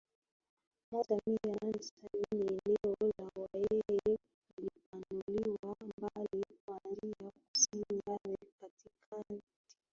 moja mia nane sabini eneo la Wahehe lilipanuliwa mbali kuanzia kusini hadi katikati ya